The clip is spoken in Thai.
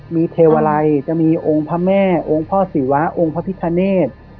มีเทวาลัยจะมีองค์พระแม่องค์พ่อศิวะองค์พระพิคเนธ